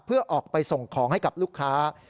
เพื่อออกไปส่งของให้กับลูกค้า